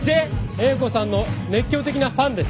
英子さんの熱狂的なファンです。